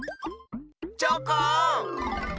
チョコン！